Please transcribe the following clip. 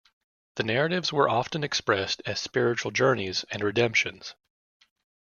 The narratives were often expressed as spiritual journeys and redemptions.